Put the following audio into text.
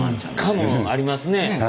カムありますね。